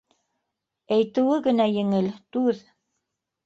Әйтеүе генә еңел — түҙ.